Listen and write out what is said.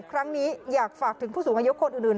ครั้งนี้อยากฝากถึงผู้สูงอายุคนอื่น